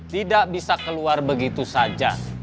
tidak bisa keluar begitu saja